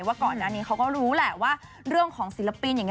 ว่าก่อนอันนี้เขาเข้ารู้แหละว่าเรื่องของศิลปิน